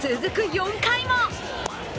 ４回も！